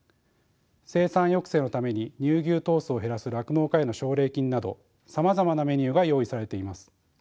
生産抑制のために乳牛頭数を減らす酪農家への奨励金などさまざまなメニューが用意されています。